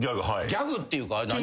ギャグっていうか何あれ。